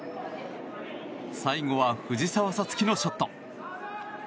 最後は藤澤五月のショット。